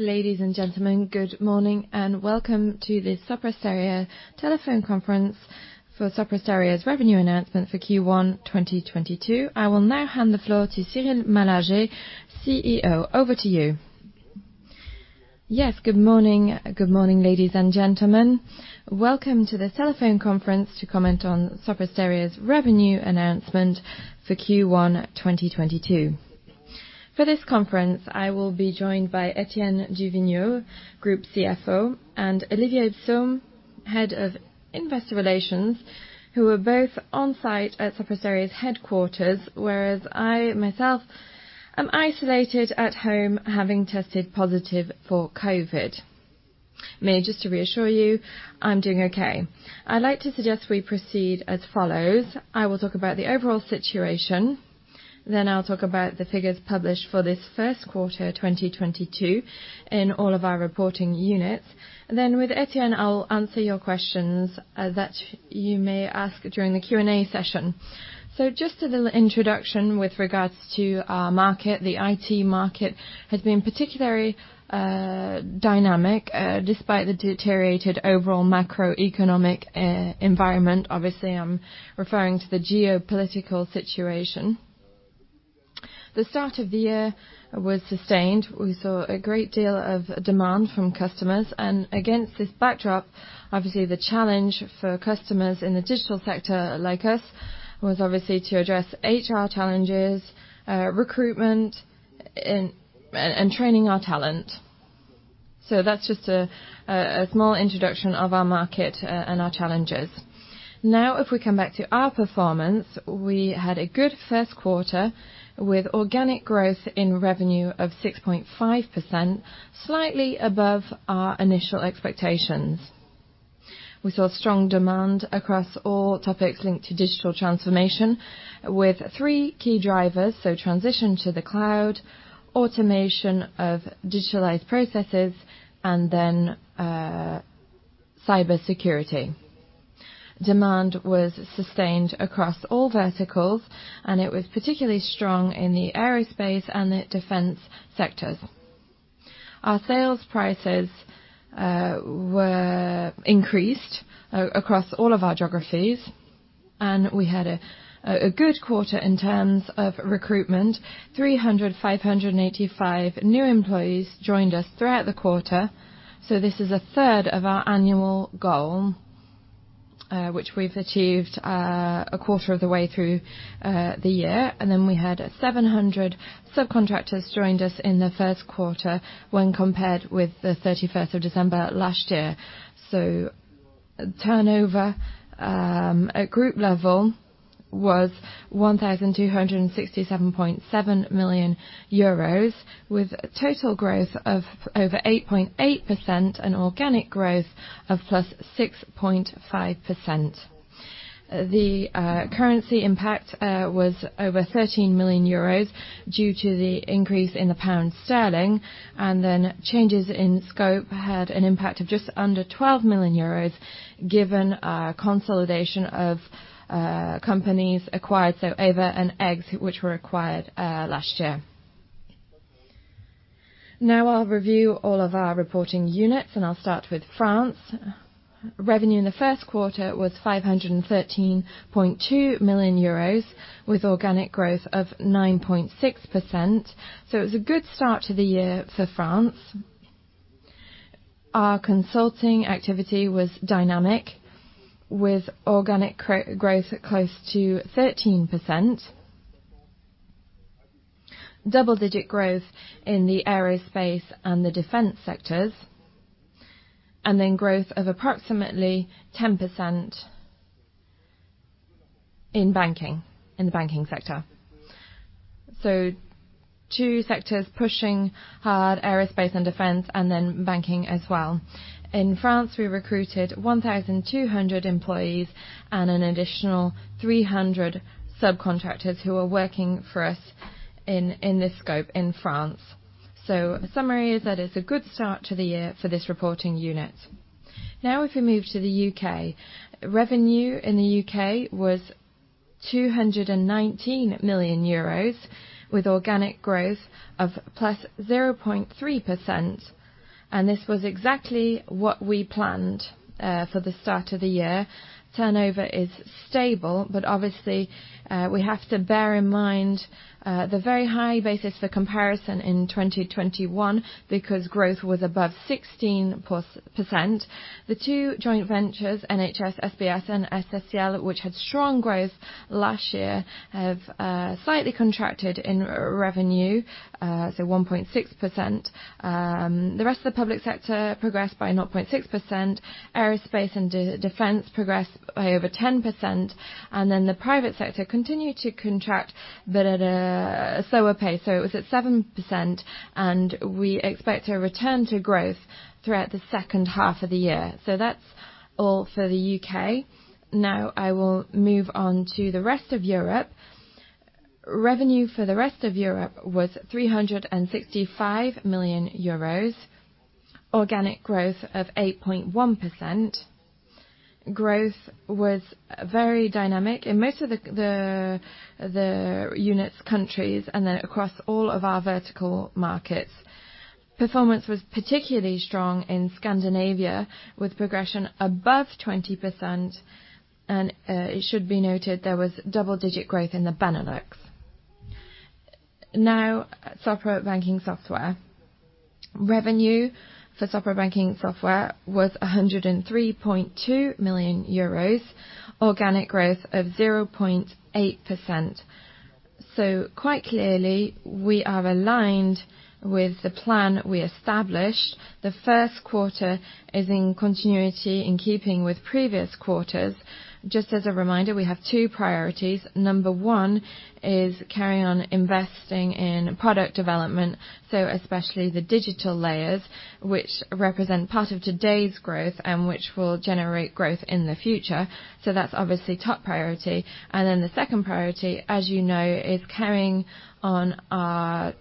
Ladies and gentlemen, good morning and welcome to this Sopra Steria Telephone Conference for Sopra Steria's Revenue Announcement for Q1 2022. I will now hand the floor to Cyril Malargé, CEO. Over to you. Yes. Good morning. Good morning, ladies and gentlemen. Welcome to the Telephone Conference to Comment on Sopra Steria's Revenue Announcement for Q1 2022. For this conference, I will be joined by Étienne du Vignaud, Group CFO, and Olivier Psaume, Head of Investor Relations, who are both on-site at Sopra Steria's headquarters, whereas I, myself, am isolated at home, having tested positive for COVID. Just to reassure you, I'm doing okay. I'd like to suggest we proceed as follows: I will talk about the overall situation, then I'll talk about the figures published for this first quarter 2022 in all of our reporting units. With Etienne, I'll answer your questions that you may ask during the Q&A session. Just a little introduction with regards to our market. The IT market has been particularly dynamic despite the deteriorated overall macroeconomic environment. Obviously, I'm referring to the geopolitical situation. The start of the year was sustained. We saw a great deal of demand from customers. Against this backdrop, obviously, the challenge for customers in the digital sector like us was obviously to address HR challenges, recruitment and training our talent. That's just a small introduction of our market and our challenges. Now, if we come back to our performance, we had a good first quarter with organic growth in revenue of 6.5%, slightly above our initial expectations. We saw strong demand across all topics linked to digital transformation with three key drivers, the transition to the cloud, automation of digitalized processes, and then cybersecurity. Demand was sustained across all verticals, and it was particularly strong in the aerospace and the defense sectors. Our sales prices were increased across all of our geographies, and we had a good quarter in terms of recruitment. 385 new employees joined us throughout the quarter, so this is a third of our annual goal, which we've achieved a quarter of the way through the year. We had 700 subcontractors joined us in the first quarter when compared with the 31st of December last year. Turnover at group level was 1,267.7 million euros, with total growth of over 8.8% and organic growth of +6.5%. The currency impact was over 13 million euros due to the increase in the pound sterling, and then changes in scope had an impact of just under 12 million euros, given a consolidation of companies acquired, so EVA and EGGS, which were acquired last year. Now I'll review all of our reporting units, and I'll start with France. Revenue in the first quarter was 513.2 million euros with organic growth of 9.6%. It was a good start to the year for France. Our consulting activity was dynamic, with organic growth at close to 13%. Double-digit growth in the aerospace and the defense sectors, and then growth of approximately 10% in banking, in the banking sector. Two sectors pushing hard, aerospace and defense, and then banking as well. In France, we recruited 1,200 employees and an additional 300 subcontractors who are working for us in this scope in France. In summary is that it's a good start to the year for this reporting unit. Now, if we move to the UK. Revenue in the UK was 219 million euros, with organic growth of +0.3%, and this was exactly what we planned for the start of the year. Turnover is stable, but obviously, we have to bear in mind the very high basis for comparison in 2021, because growth was above 16%. The two joint ventures, NHS SBS and SSCL, which had strong growth last year, have slightly contracted in revenue, so 1.6%. The rest of the public sector progressed by 0.6%. Aerospace and defense progressed by over 10%, and then the private sector continued to contract, but at a slower pace. It was at 7%, and we expect a return to growth throughout the second half of the year. That's all for the UK. Now I will move on to the rest of Europe. Revenue for the rest of Europe was 365 million euros. Organic growth of 8.1%. Growth was very dynamic in most of the units, countries, and then across all of our vertical markets. Performance was particularly strong in Scandinavia, with progression above 20%, and it should be noted, there was double-digit growth in the Benelux. Now, software banking software. Revenue for software banking software was 103.2 million euros, organic growth of 0.8%. Quite clearly, we are aligned with the plan we established. The first quarter is in continuity, in keeping with previous quarters. Just as a reminder, we have two priorities. Number one is carry on investing in product development, so especially the digital layers which represent part of today's growth and which will generate growth in the future. That's obviously top priority. Then the second priority, as you know, is carrying on our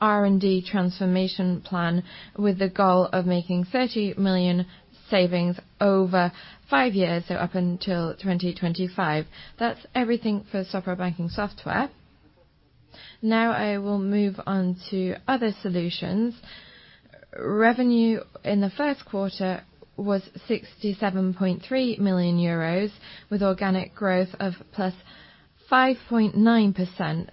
R&D transformation plan with the goal of making 30 million savings over five years, so up until 2025. That's everything for software banking software. Now I will move on to other solutions. Revenue in the first quarter was 67.3 million euros with organic growth of +5.9%.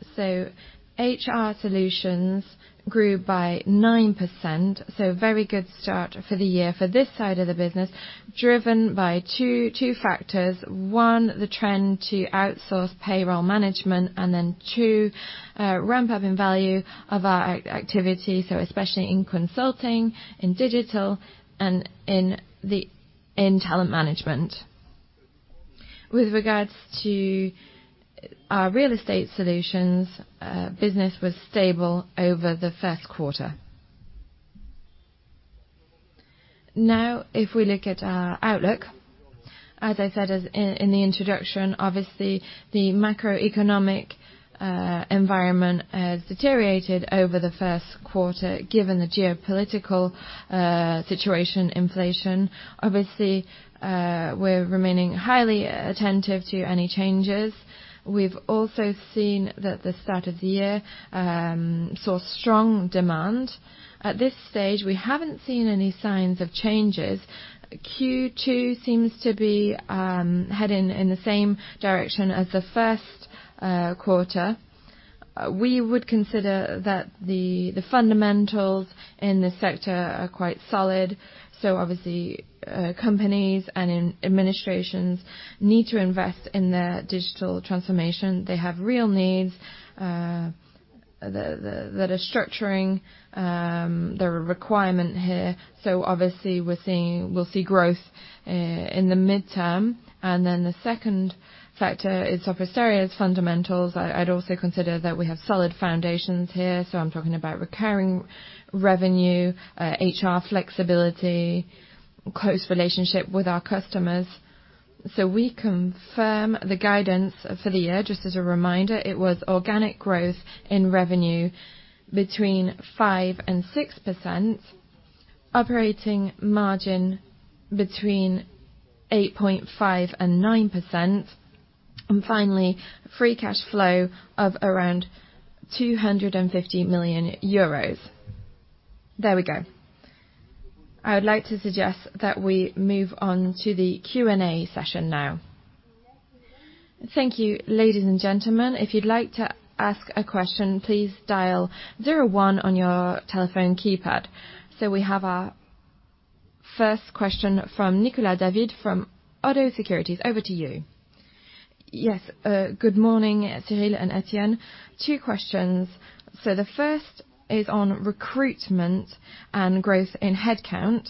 HR solutions grew by 9%, very good start for the year for this side of the business, driven by two factors. One, the trend to outsource payroll management, and then two, ramp up in value of our activity, especially in consulting, in digital, and in talent management. With regards to our real estate solutions, business was stable over the first quarter. If we look at our outlook, as I said in the introduction, obviously the macroeconomic environment has deteriorated over the first quarter, given the geopolitical situation, inflation. Obviously, we're remaining highly attentive to any changes. We've also seen that the start of the year saw strong demand. At this stage, we haven't seen any signs of changes. Q2 seems to be heading in the same direction as the first quarter. We would consider that the fundamentals in this sector are quite solid. Obviously, companies and administrations need to invest in their digital transformation. They have real needs that are structuring their requirement here. Obviously we'll see growth in the midterm. Then the second factor is Sopra Steria's fundamentals. I'd also consider that we have solid foundations here. I'm talking about recurring revenue, HR flexibility, close relationship with our customers. We confirm the guidance for the year. Just as a reminder, it was organic growth in revenue between 5%-6%, operating margin between 8.5%-9%, and finally, free cash flow of around 250 million euros. There we go. I would like to suggest that we move on to the Q&A session now. Thank you, ladies and gentlemen. If you'd like to ask a question, please dial zero one on your telephone keypad. We have our first question from Nicolas David from Oddo Securities. Over to you. Yes. Good morning, Cyril and Etienne. Two questions. The first is on recruitment and growth in head count.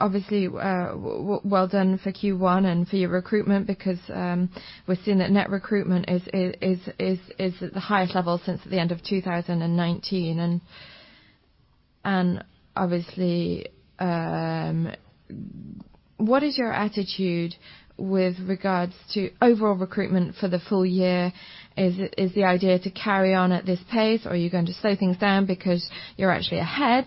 Obviously, well done for Q1 and for your recruitment because, we're seeing that net recruitment is at the highest level since the end of 2019. Obviously, what is your attitude with regards to overall recruitment for the full year? Is the idea to carry on at this pace, or are you going to slow things down because you're actually ahead?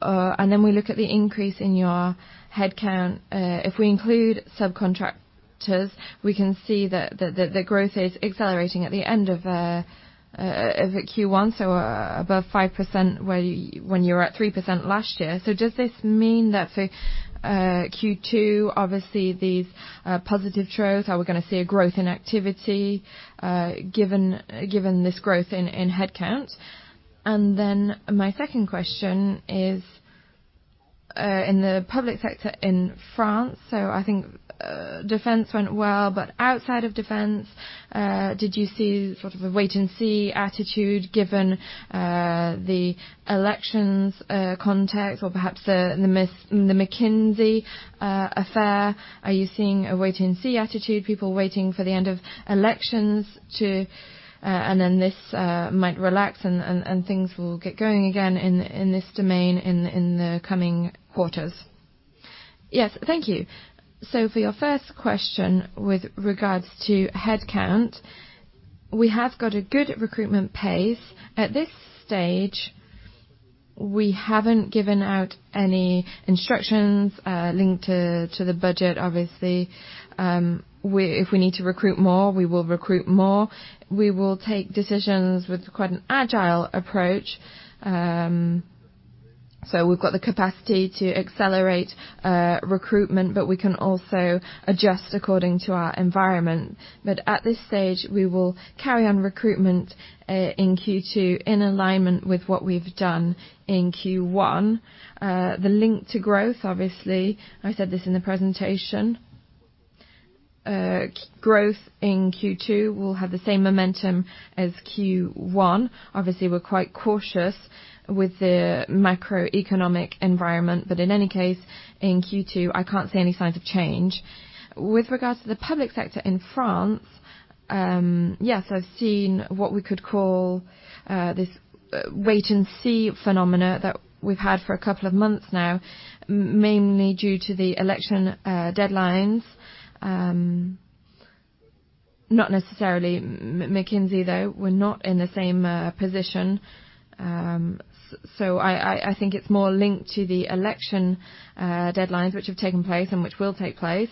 Then we look at the increase in your head count. If we include subcontractors, we can see that the growth is accelerating at the end of the Q1, so above 5% when you're at 3% last year. Does this mean that for Q2, obviously these positive trends, are we gonna see a growth in activity, given this growth in head count? My second question is, in the public sector in France, so I think, defense went well, but outside of defense, did you see sort of a wait-and-see attitude given the elections context or perhaps the McKinsey affair? Are you seeing a wait-and-see attitude, people waiting for the end of elections to, and then this might relax and things will get going again in this domain in the coming quarters? Yes. Thank you. For your first question with regards to headcount, we have got a good recruitment pace. At this stage, we haven't given out any instructions linked to the budget, obviously. If we need to recruit more, we will recruit more. We will take decisions with quite an agile approach. We've got the capacity to accelerate recruitment, but we can also adjust according to our environment. At this stage, we will carry on recruitment in Q2 in alignment with what we've done in Q1. The link to growth, obviously I said this in the presentation. Growth in Q2 will have the same momentum as Q1. Obviously, we're quite cautious with the macroeconomic environment. In any case, in Q2, I can't see any signs of change. With regards to the public sector in France, yes, I've seen what we could call this wait-and-see phenomena that we've had for a couple of months now, mainly due to the election deadlines. Not necessarily McKinsey, though. We're not in the same position. I think it's more linked to the election deadlines which have taken place and which will take place.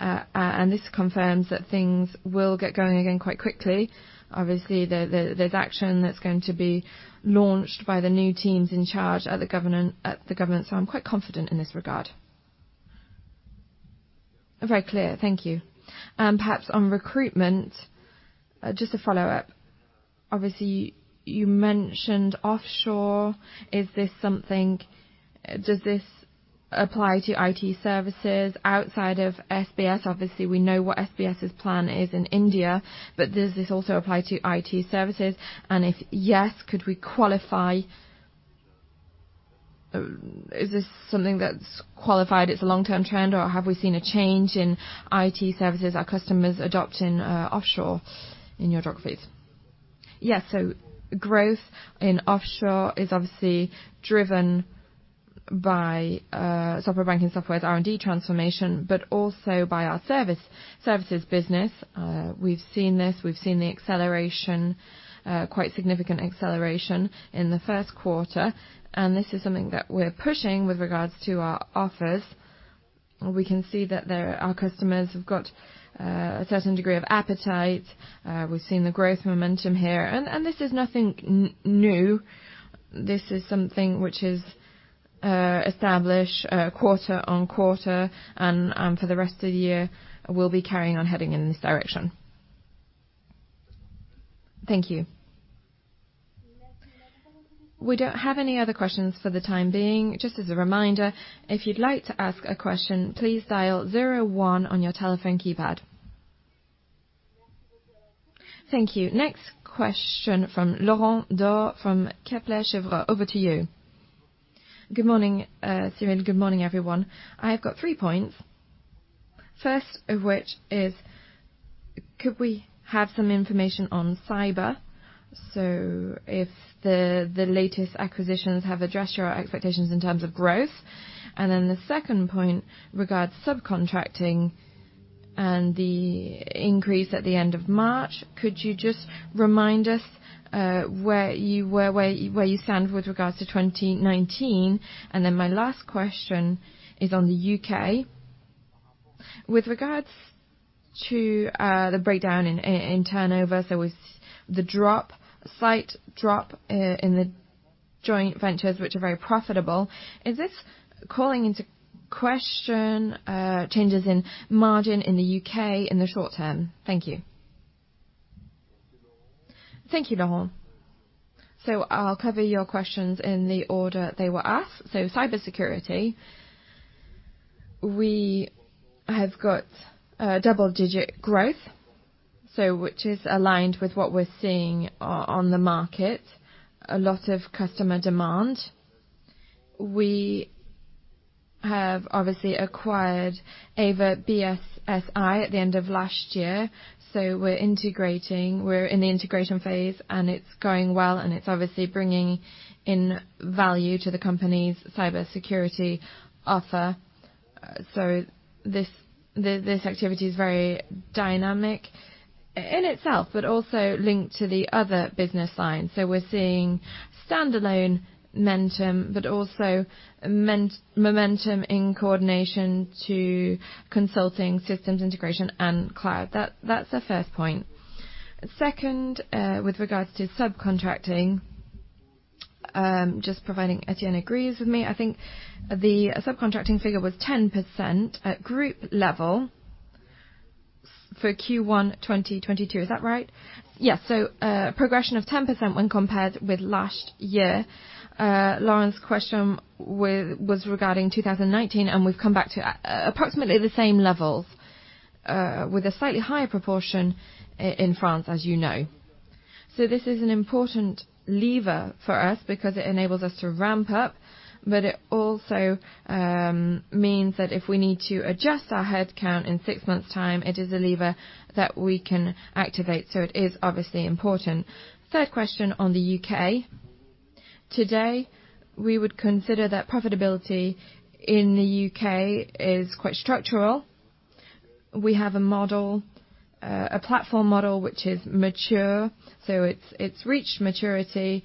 This confirms that things will get going again quite quickly. Obviously, there's action that's going to be launched by the new teams in charge at the government, so I'm quite confident in this regard. Very clear. Thank you. Perhaps on recruitment, just a follow-up. Obviously, you mentioned offshore. Is this something? Does this apply to IT services outside of SBS? Obviously, we know what SBS's plan is in India, but does this also apply to IT services? If yes, is this something that's qualified, it's a long-term trend or have we seen a change in IT services, are customers adopting offshore in your job phase? Yes. Growth in offshore is obviously driven by Software Banking, Software as R&D transformation, but also by our services business. We've seen this. We've seen the acceleration, quite significant acceleration in the first quarter. This is something that we're pushing with regards to our offers. We can see that our customers have got a certain degree of appetite. We've seen the growth momentum here. This is nothing new. This is something which is established quarter on quarter. For the rest of the year, we'll be carrying on heading in this direction. Thank you. We don't have any other questions for the time being. Just as a reminder, if you'd like to ask a question, please dial zero one on your telephone keypad. Thank you. Next question from Laurent Daure from Kepler Cheuvreux. Over to you. Good morning, Cyril, and good morning, everyone. I have got three points. First of which is, could we have some information on cyber? So if the latest acquisitions have addressed your expectations in terms of growth. And then the second point regards subcontracting and the increase at the end of March. Could you just remind us, where you stand with regards to 2019? And then my last question is on the UK. With regards to, the breakdown in, turnover, there was slight drop, in the joint ventures, which are very profitable. Is this calling into question, changes in margin in the UK in the short term? Thank you. Thank you, Laurent. I'll cover your questions in the order they were asked. Cybersecurity, we have got double-digit growth, which is aligned with what we're seeing on the market. A lot of customer demand. We have obviously acquired EVA Group at the end of last year, so we're integrating. We're in the integration phase, and it's going well, and it's obviously bringing in value to the company's cybersecurity offer. This activity is very dynamic in itself, but also linked to the other business lines. We're seeing standalone momentum, but also momentum in coordination to consulting systems integration and cloud. That's the first point. Second, with regards to subcontracting, just providing Etienne agrees with me. I think the subcontracting figure was 10% at group level for Q1 2022. Is that right? Yes. Progression of 10% when compared with last year. Laurent's question was regarding 2019, and we've come back to approximately the same levels, with a slightly higher proportion in France, as you know. This is an important lever for us because it enables us to ramp up. It also means that if we need to adjust our headcount in six months' time, it is a lever that we can activate, so it is obviously important. Third question on the U.K. Today, we would consider that profitability in the U.K. is quite structural. We have a model, a platform model which is mature, so it's reached maturity.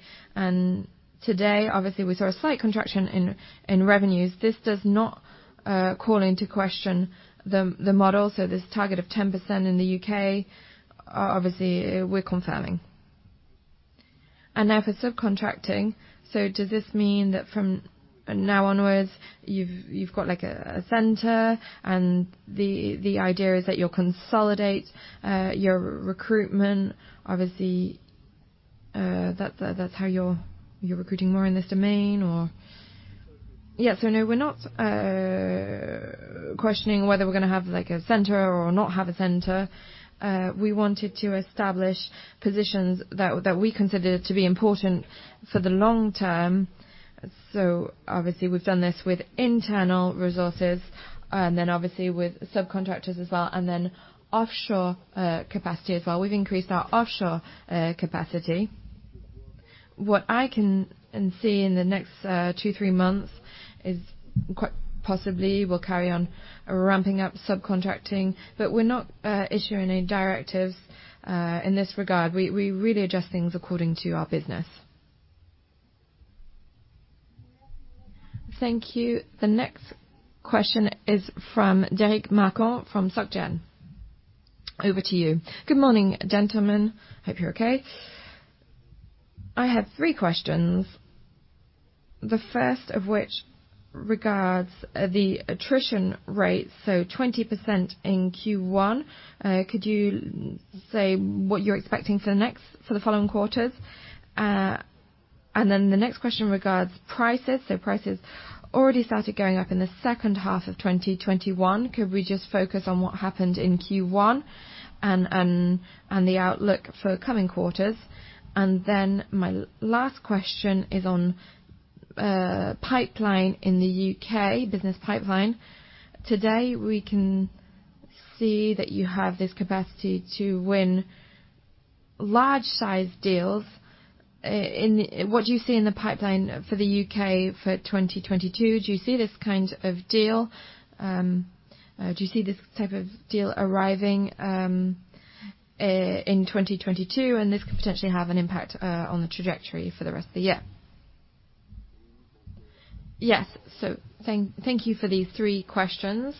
Today, obviously, we saw a slight contraction in revenues. This does not call into question the model. This target of 10% in the U.K., obviously, we're confirming. Now for subcontracting. Does this mean that from now onwards, you've got like a center and the idea is that you'll consolidate your recruitment? Obviously, that's how you're recruiting more in this domain or... Yeah. No, we're not questioning whether we're gonna have like a center or not have a center. We wanted to establish positions that we consider to be important for the long term. Obviously we've done this with internal resources and then obviously with subcontractors as well, and then offshore capacity as well. We've increased our offshore capacity. What I can see in the next two, three months is quite possibly we'll carry on ramping up subcontracting. We're not issuing any directives in this regard. We really adjust things according to our business. Thank you. The next question is from Deric Marcon from Société Générale. Over to you. Good morning, gentlemen. Hope you're okay. I have three questions, the first of which regards the attrition rate, so 20% in Q1. Could you say what you're expecting for the following quarters? The next question regards prices. Prices already started going up in the second half of 2021. Could we just focus on what happened in Q1 and the outlook for coming quarters? My last question is on pipeline in the UK, business pipeline. Today, we can see that you have this capacity to win large size deals. What do you see in the pipeline for the UK for 2022? Do you see this kind of deal? Do you see this type of deal arriving in 2022, and this could potentially have an impact on the trajectory for the rest of the year? Yes. Thank you for these three questions.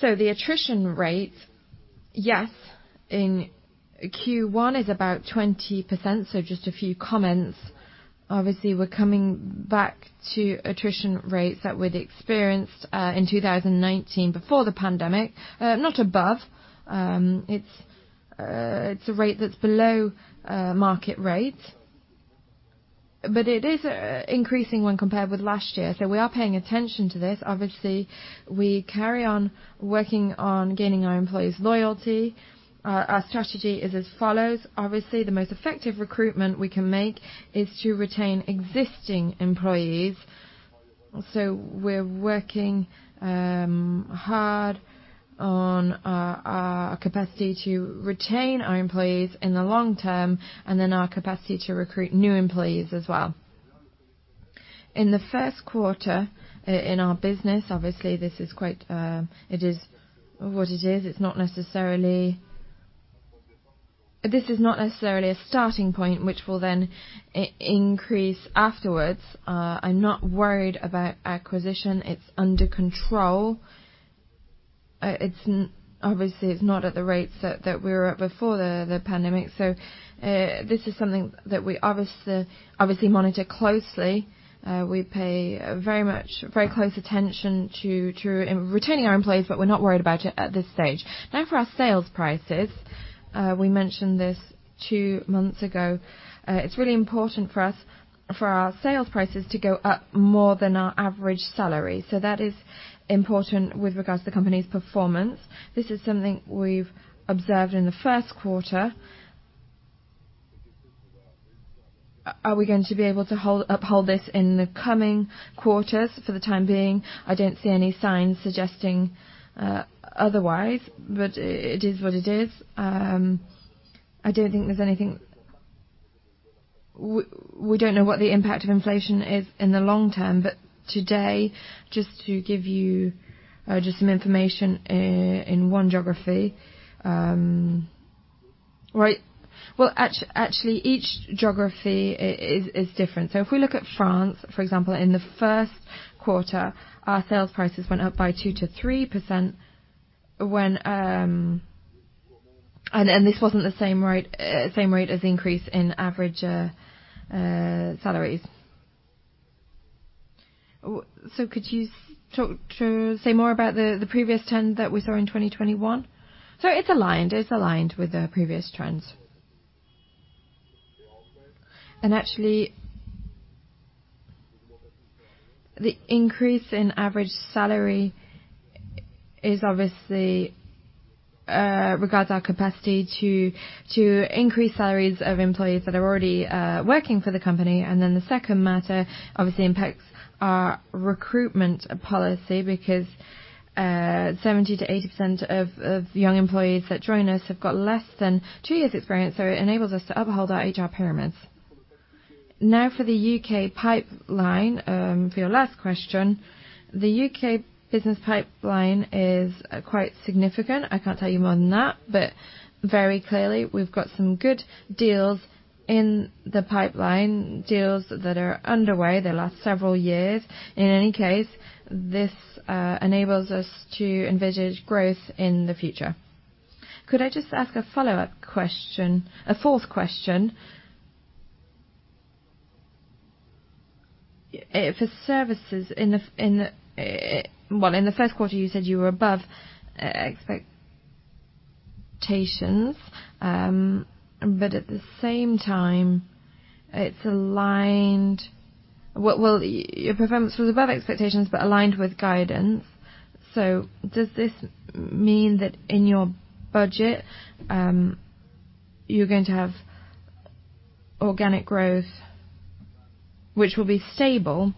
The attrition rate, yes, in Q1 is about 20%. Just a few comments. Obviously, we're coming back to attrition rates that we'd experienced in 2019 before the pandemic, not above. It's a rate that's below market rate, but it is increasing when compared with last year. We are paying attention to this. Obviously, we carry on working on gaining our employees' loyalty. Our strategy is as follows: obviously, the most effective recruitment we can make is to retain existing employees. We're working hard on our capacity to retain our employees in the long term and then our capacity to recruit new employees as well. In the first quarter in our business, obviously, this is quite, it is what it is. It's not necessarily a starting point which will then increase afterwards. I'm not worried about acquisition. It's under control. It's obviously not at the rates that we were at before the pandemic. This is something that we obviously monitor closely. We pay very close attention to retaining our employees, but we're not worried about it at this stage. Now for our sales prices, we mentioned this two months ago. It's really important for us, for our sales prices to go up more than our average salary. That is important with regards to the company's performance. This is something we've observed in the first quarter. Are we going to be able to uphold this in the coming quarters for the time being? I don't see any signs suggesting otherwise, but it is what it is. I don't think there's anything. We don't know what the impact of inflation is in the long term, but today, just to give you just some information in one geography, right. Actually, each geography is different. If we look at France, for example, in the first quarter, our sales prices went up by 2%-3% when this wasn't the same rate as the increase in average salaries. Could you say more about the previous trend that we saw in 2021? It's aligned with the previous trends. Actually, the increase in average salary is obviously regarding our capacity to increase salaries of employees that are already working for the company. The second matter obviously impacts our recruitment policy because 70%-80% of young employees that join us have got less than 2 years experience. It enables us to uphold our HR pyramids. Now for the UK pipeline, for your last question. The UK business pipeline is quite significant. I can't tell you more than that, but very clearly, we've got some good deals in the pipeline, deals that are underway. They last several years. In any case, this enables us to envisage growth in the future. Could I just ask a follow-up question, a fourth question? For services in the first quarter, you said you were above expectations, but at the same time, well, your performance was above expectations but aligned with guidance. Does this mean that in your budget, you're going to have organic growth which will be stable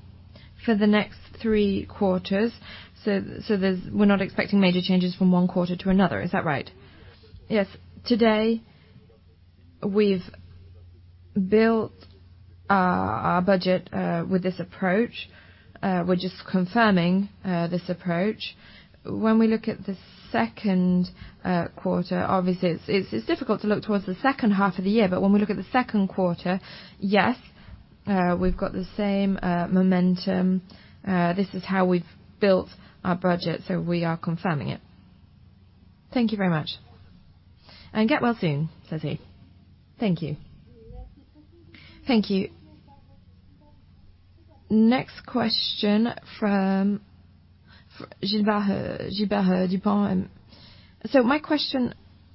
for the next three quarters? We're not expecting major changes from one quarter to another. Is that right? Yes. Today, we've built our budget with this approach. We're just confirming this approach. When we look at the second quarter, obviously it's difficult to look towards the second half of the year, but when we look at the second quarter, yes, we've got the same momentum. This is how we've built our budget, so we are confirming it. Thank you very much. Get well soon, Thierry. Thank you. Next question from Gilbert Dupont.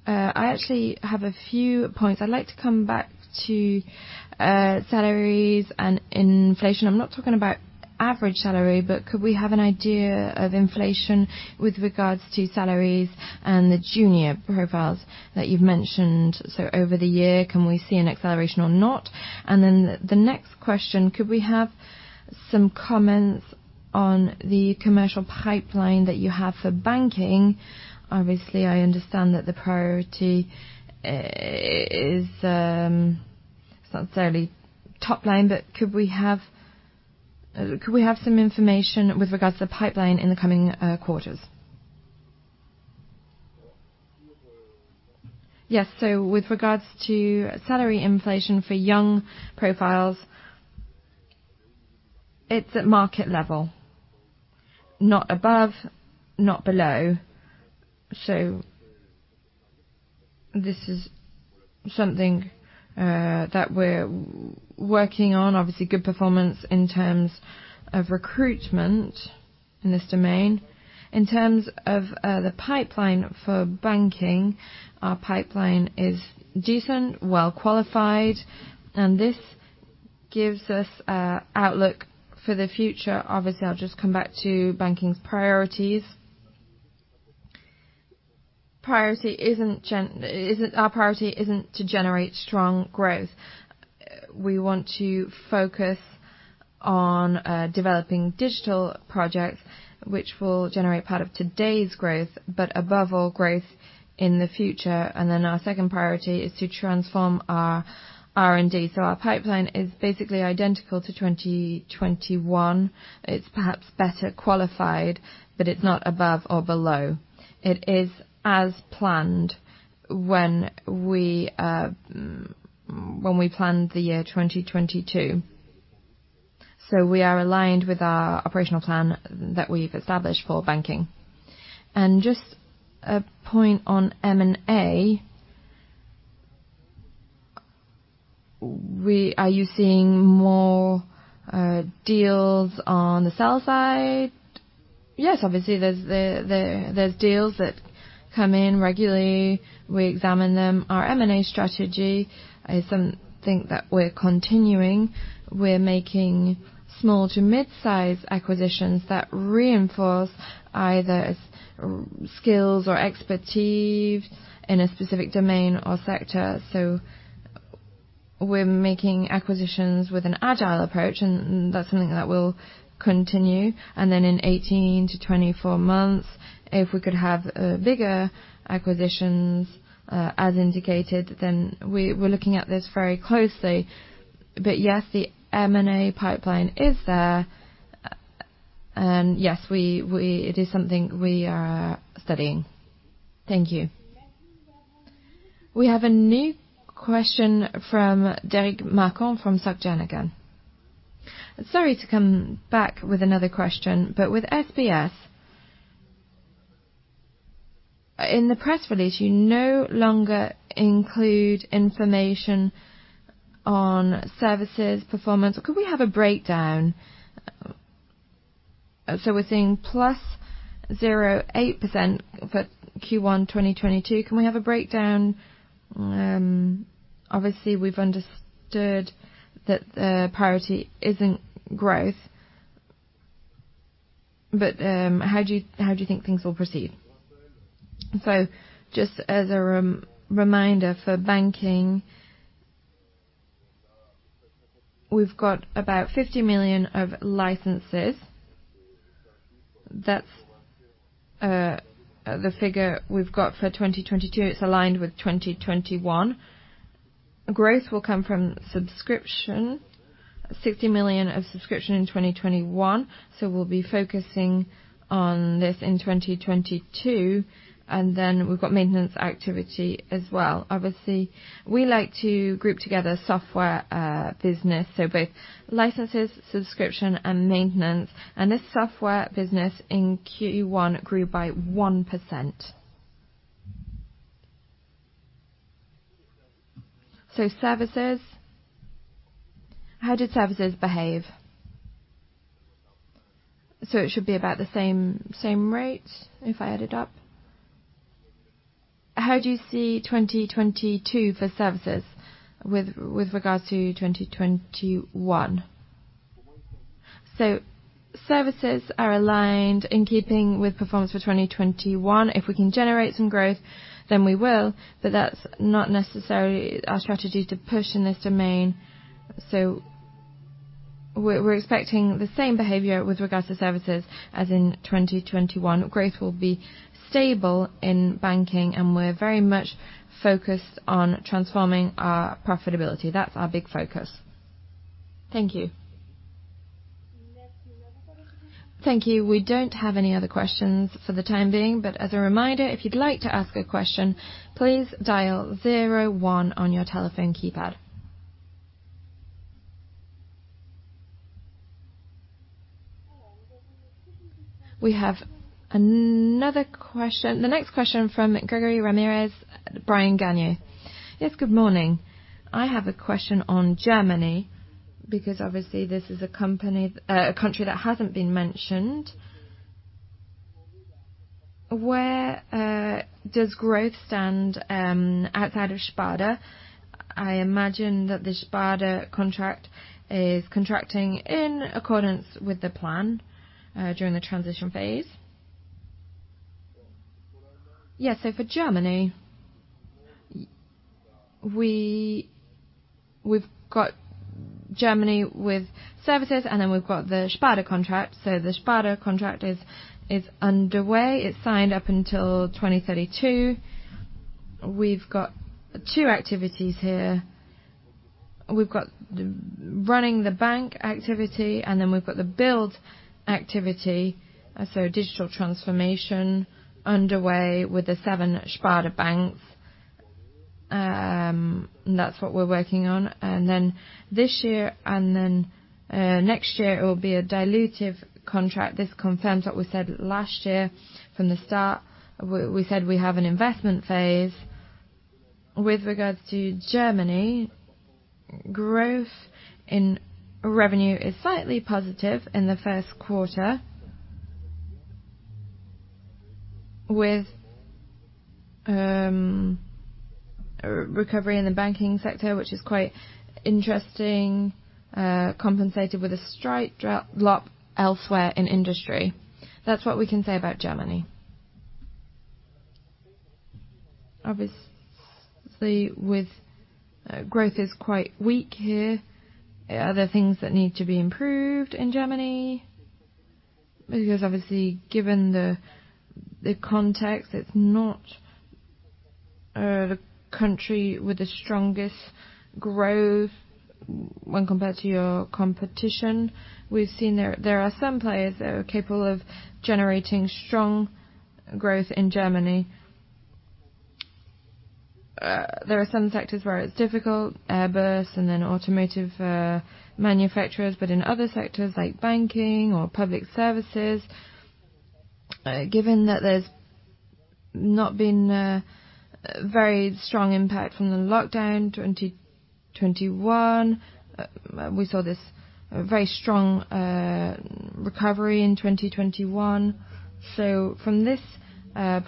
I actually have a few points. I'd like to come back to salaries and inflation. I'm not talking about average salary, but could we have an idea of inflation with regards to salaries and the junior profiles that you've mentioned? Over the year, can we see an acceleration or not? Then the next question, could we have some comments on the commercial pipeline that you have for banking? Obviously, I understand that the priority is not necessarily top line, but could we have some information with regards to the pipeline in the coming quarters? Yes, with regards to salary inflation for young profiles, it's at market level, not above, not below. This is something that we're working on. Obviously, good performance in terms of recruitment in this domain. In terms of the pipeline for banking, our pipeline is decent, well-qualified, and this gives us outlook for the future. Obviously, I'll just come back to banking's priorities. Our priority isn't to generate strong growth. We want to focus on developing digital projects which will generate part of today's growth, but above all, growth in the future. Our second priority is to transform our R&D. Our pipeline is basically identical to 2021. It's perhaps better qualified, but it's not above or below. It is as planned when we planned the year 2022. We are aligned with our operational plan that we've established for banking. Just a point on M&A. Are you seeing more deals on the sell side? Yes, obviously, there's deals that come in regularly. We examine them. Our M&A strategy is something that we're continuing. We're making small to mid-size acquisitions that reinforce either skills or expertise in a specific domain or sector. We're making acquisitions with an agile approach, and that's something that will continue. Then in 18-24 months, if we could have bigger acquisitions, as indicated, then we're looking at this very closely. Yes, the M&A pipeline is there, and yes, it is something we are studying. Thank you. We have a new question from Derric Marcon from Société Générale again. Sorry to come back with another question, but with SBS, in the press release, you no longer include information on services performance. Could we have a breakdown? We're seeing +8% for Q1 2022. Can we have a breakdown? Obviously we've understood that the priority isn't growth, but how do you think things will proceed? Just as a reminder for banking, we've got about 50 million of licenses. That's the figure we've got for 2022. It's aligned with 2021. Growth will come from subscription, 60 million of subscription in 2021, so we'll be focusing on this in 2022, and then we've got maintenance activity as well. Obviously, we like to group together software business, so both licenses, subscription, and maintenance. And this software business in Q1 grew by 1%. Services. How did services behave? It should be about the same rate if I add it up. How do you see 2022 for services with regards to 2021? Services are aligned in keeping with performance for 2021. If we can generate some growth, then we will, but that's not necessarily our strategy to push in this domain. We're expecting the same behavior with regards to services as in 2021. Growth will be stable in banking, and we're very much focused on transforming our profitability. That's our big focus. Thank you. Thank you. We don't have any other questions for the time being, but as a reminder, if you'd like to ask a question, please dial zero one on your telephone keypad. We have another question. The next question from Grégory Ramirez, Bryan Garnier. Yes. Good morning. I have a question on Germany because obviously this is a country that hasn't been mentioned. Where does growth stand outside of Sparda? I imagine that the Sparda contract is contracting in accordance with the plan during the transition phase. For Germany, we've got Germany with services, and then we've got the Sparda contract. The Sparda contract is underway. It's signed up until 2032. We've got two activities here. We've got the running the bank activity, and then we've got the build activity. Digital transformation underway with the seven Sparda banks. That's what we're working on. This year and next year, it will be a dilutive contract. This confirms what we said last year from the start. We said we have an investment phase. With regards to Germany, growth in revenue is slightly positive in the first quarter with a recovery in the banking sector, which is quite interesting, compensated with a steep drop elsewhere in industry. That's what we can say about Germany. Obviously, the growth is quite weak here. Are there things that need to be improved in Germany? Because obviously, given the context, it's not the country with the strongest growth when compared to your competition. We've seen there are some players that are capable of generating strong growth in Germany. There are some sectors where it's difficult, Airbus and then automotive manufacturers, but in other sectors like banking or public services, given that there's not been a very strong impact from the lockdown 2021, we saw this very strong recovery in 2021. From this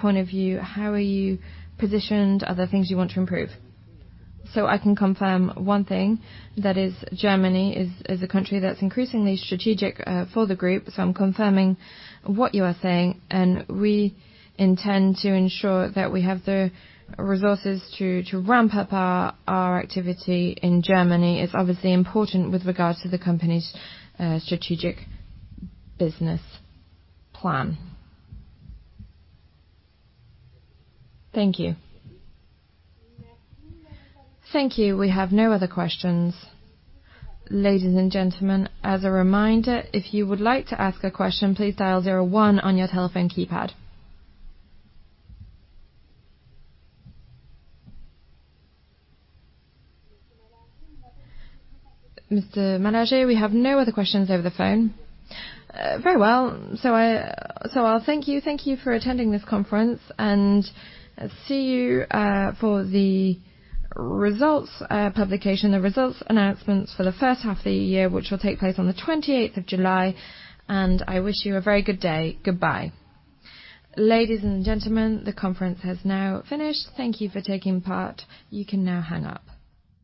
point of view, how are you positioned? Are there things you want to improve? I can confirm one thing. That is Germany is a country that's increasingly strategic for the group. I'm confirming what you are saying, and we intend to ensure that we have the resources to ramp up our activity in Germany. It's obviously important with regards to the company's strategic business plan. Thank you. Thank you. We have no other questions. Ladies and gentlemen, as a reminder, if you would like to ask a question, please dial zero one on your telephone keypad. Mr. Malargé, we have no other questions over the phone. Very well. I'll thank you. Thank you for attending this conference, and see you for the results publication, the results announcements for the first half of the year, which will take place on the 28th of July. I wish you a very good day. Goodbye. Ladies and gentlemen, the conference has now finished. Thank you for taking part. You can now hang up.